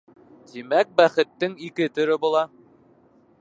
Тимәк, бәхеттең ике төрө була.